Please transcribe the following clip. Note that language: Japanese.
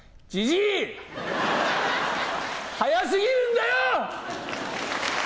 早すぎるんだよ！